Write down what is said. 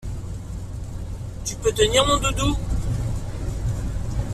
Tu peux tenir mon doudou?